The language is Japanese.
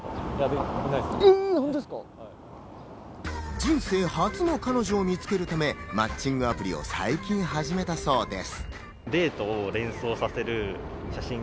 人生初の彼女を見つけるため、マッチングアプリを最近始めたそうです。